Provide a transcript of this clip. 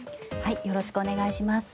よろしくお願いします。